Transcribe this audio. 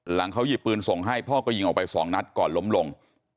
เขาหยิบปืนส่งให้พ่อก็ยิงออกไปสองนัดก่อนล้มลง